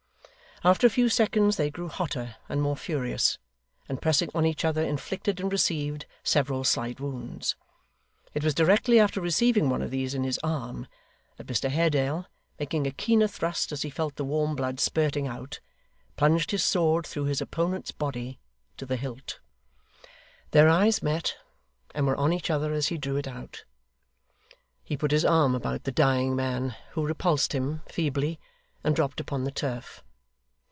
After a few seconds they grew hotter and more furious, and pressing on each other inflicted and received several slight wounds. It was directly after receiving one of these in his arm, that Mr Haredale, making a keener thrust as he felt the warm blood spirting out, plunged his sword through his opponent's body to the hilt. Their eyes met, and were on each other as he drew it out. He put his arm about the dying man, who repulsed him, feebly, and dropped upon the turf.